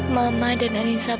mama dan anissa benar